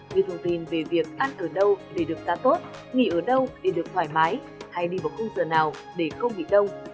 như thông tin về việc ăn ở đâu để được ra tốt nghỉ ở đâu để được thoải mái hay đi vào khung giờ nào để không bị đông